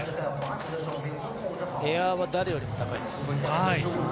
エアは誰よりも高いですね。